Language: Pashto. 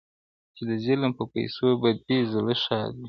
چي د ظلم په پیسو به دي زړه ښاد وي،